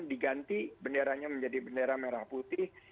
diganti benderanya menjadi bendera merah putih